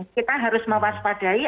kita harus mewaspadai